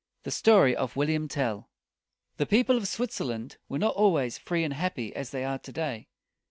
THE STORY OF WILLIAM TELL. The people of Swit zer land were not always free and happy as they are to day.